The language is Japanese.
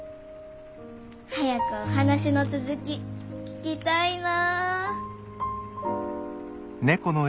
早くお話の続き聞きたいな。